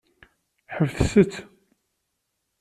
Ḥebset-tt.